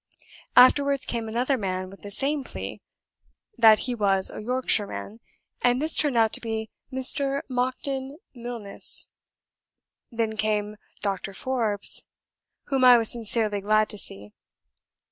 "Afterwards came another man with the same plea, that he was a Yorkshireman, and this turned out to be Mr. Monckton Milnes. Then came Dr. Forbes, whom I was sincerely glad to see.